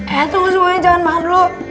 eh tunggu semuanya jangan mahal dulu